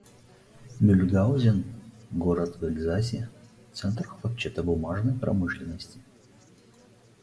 Мюльгаузен — город в Эльзасе, центр хлопчатобумажной промышленности.